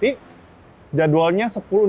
jadi jadwalnya sepuluh enam belas